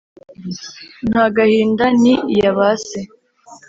Nta gahinda ni iya base